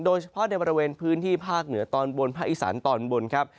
โดยเฉพาะในบริเวณพื้นที่ภาคเหนือตอนบนภาคอีสานตอนบนครับ